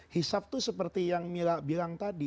hisab itu seperti yang bilang tadi